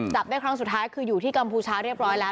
จับได้ครั้งสุดท้ายคืออยู่ที่กัมพูชาเรียบร้อยแล้ว